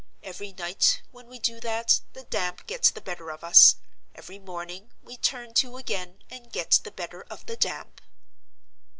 Every night, when we do that, the damp gets the better of us: every morning, we turn to again, and get the better of the damp."